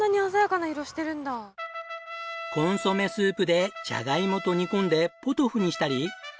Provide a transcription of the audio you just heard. コンソメスープでじゃがいもと煮込んでポトフにしたり。